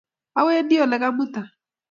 Awendi ole ka'muta .